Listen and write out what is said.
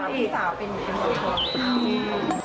ผู้สาวเป็นทั้งพอ